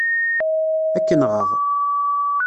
Ad k-nɣeɣ.